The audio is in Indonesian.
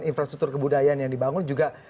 infrastruktur kebudayaan yang dibangun juga